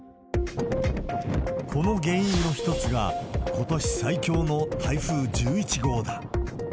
この原因の一つが、ことし最強の台風１１号だ。